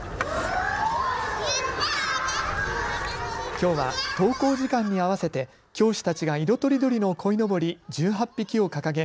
きょうは登校時間に合わせて教師たちが色とりどりのこいのぼり１８匹を掲げ